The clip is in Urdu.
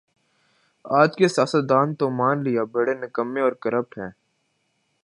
آج کے سیاستدان تو مان لیا بڑے نکمّے اورکرپٹ ہیں